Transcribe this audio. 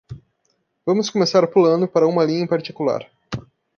Vamos começar pulando para uma linha em particular.